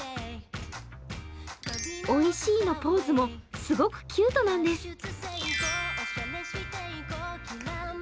おいしいのポーズも、すごくキュートなんです。